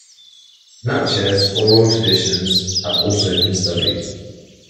Natchez oral traditions have also been studied.